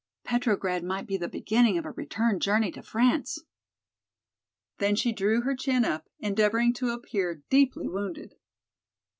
"Petrograd might be the beginning of a return journey to France." Then she drew her chin up, endeavoring to appear deeply wounded.